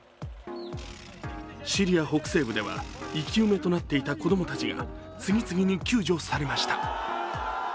シリア北西部では生き埋めとなっていた子供たちが次々に救助されました。